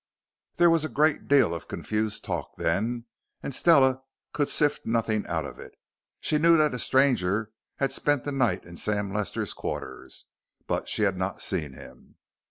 There was a great deal of confused talk then, and Stella could sift nothing out of it. She knew that a stranger had spent the night in Sam Lester's quarters, but she had not seen him.